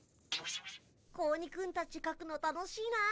子鬼くんたちかくの楽しいなあ。